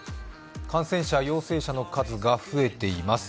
感染者、陽性者の数が増えています。